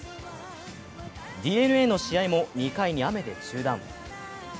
ＤｅＮＡの試合も２回に雨で中断。